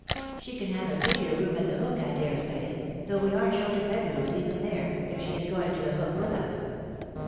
"She can have a prettier room at The Hook, I daresay, though we are short of bedrooms even there if she is to go to The Hook with us."